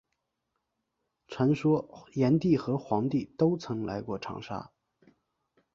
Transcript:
传说炎帝和黄帝都曾来过长沙。